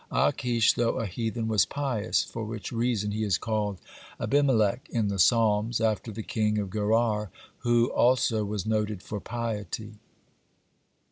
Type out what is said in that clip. Achish, though a heathen, was pious, for which reason he is called Abimelech in the Psalms, after the king of Gerar, who also was noted for piety.